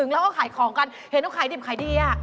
แล้วก็ขายของกันเห็นว่าขายดิบขายดี